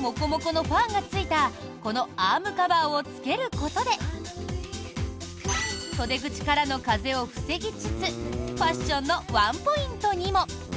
モコモコのファーがついたこのアームカバーを着けることで袖口からの風を防ぎつつファッションのワンポイントにも。